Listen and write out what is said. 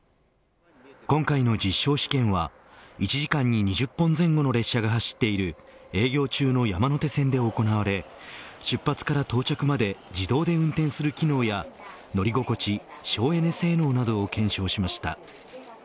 今回の実証試験は１時間に２０本前後の列車が走っている営業中の山手線で行われ出発から到着まで自動で運転する機能や乗り心地、省エネ性能などを検証しました。